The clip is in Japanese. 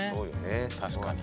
確かに。